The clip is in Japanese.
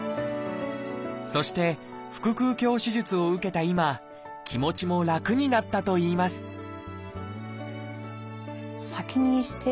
そして腹腔鏡手術を受けた今気持ちも楽になったといいますなるほど。